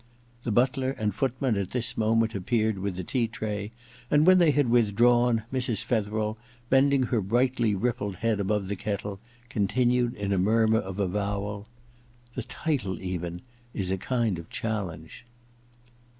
The butler and footman at this moment appeared with the tea tray, and when they had withdrawn, Mrs. Fetherel, bending her brightly rippled head above the kettle, continued in a murmur of avowal :* The title, even, is a kind of challenge.'